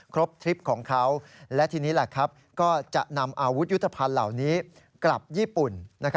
ทริปของเขาและทีนี้ก็จะนำอาวุธยุทธภัณฑ์เหล่านี้กลับญี่ปุ่น